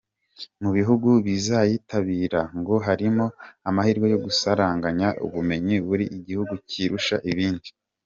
Mu bihugu bizayitabira, ngo harimo amahirwe yo gusaranganya ubumenyi buri gihugu cyirusha ibindi.